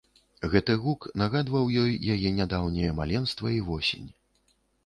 Гэты гук нагадваў ёй яе нядаўняе маленства і восень.